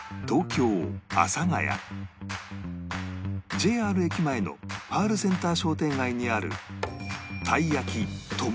ＪＲ 駅前のパールセンター商店街にある